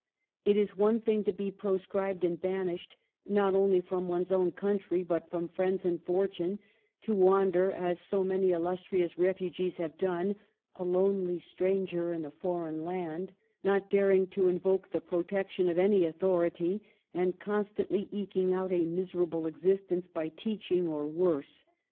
It is one thing to be proscribed and banished, not only from one's own country but from friends and fortune ; to wander, as so many illustrious refugees have done, a lonely stranger in a foreign land, not daring to invoke the protection of any authority, and constantly eking out a miserable existence by teaching or worse.